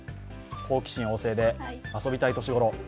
好奇心旺盛で遊びたい年頃。